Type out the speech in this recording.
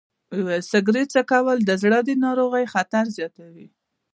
سګریټ څکول د زړه د ناروغیو خطر زیاتوي.